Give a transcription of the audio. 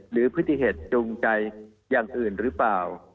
หรือพฤติเหตุจูงใจอย่างอื่นหรือเปล่า